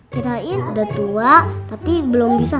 kirain udah tua tapi belum bisa sholat